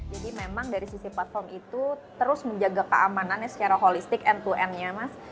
jadi memang dari sisi platform itu terus menjaga keamanannya secara holistik end to end nya mas